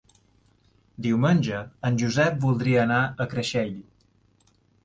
Diumenge en Josep voldria anar a Creixell.